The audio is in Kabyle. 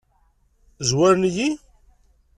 Zwaren-iyi?